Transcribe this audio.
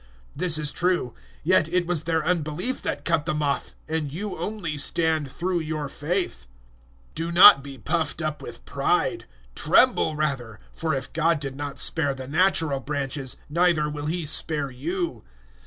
011:020 This is true; yet it was their unbelief that cut them off, and you only stand through your faith. 011:021 Do not be puffed up with pride. Tremble rather for if God did not spare the natural branches, neither will He spare you.